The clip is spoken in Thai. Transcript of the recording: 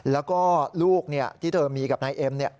แล้วก็ลูกที่เธอมีกับนายเอ็ม